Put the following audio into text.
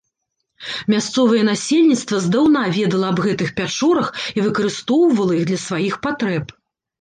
Мясцовае насельніцтва здаўна ведала аб гэтых пячорах і выкарыстоўвала іх для сваіх патрэб.